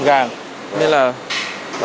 đi không gọn gàng